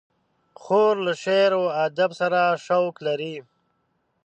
خور له شعر و ادب سره شوق لري.